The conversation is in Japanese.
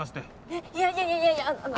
えっいやいやいやいやあの。